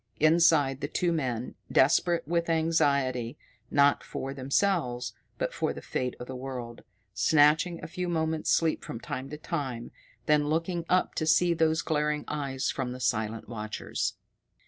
Inside the two men, desperate with anxiety, not for themselves, but for the fate of the world, snatching a few moments' sleep from time to time, then looking up to see those glaring eyes from the silent watchers.